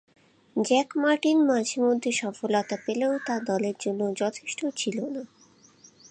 Jack Martin মাঝে-মধ্যে সফলতা পেলেও তা দলের জন্য যথেষ্ট ছিল না।